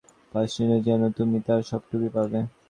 ভারতে আমি যদি একটুকরা রুটি পাই নিশ্চয় জেন তুমি তার সবটুকুই পাবে।